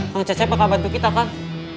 kang cecep akan bantu kita kang